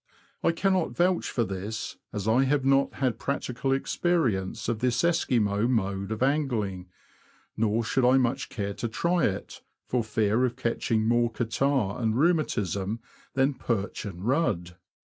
I cannot vouch for this, as I have not had practical experience of this Esquimaux mode of angling ; nor should I much care to try it, for fear of catching more catarrh and rheumatism than perch and rudd.